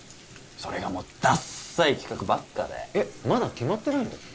それがもうダッサい企画ばっかでえっまだ決まってないの？